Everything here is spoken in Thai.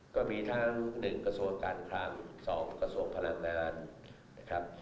ก็มีทั้ง๑กระทรวงการคลัง๒กระทรวงพลังงานนะครับ